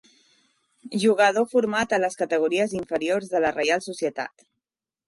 Jugador format a les categories inferiors de la Reial Societat.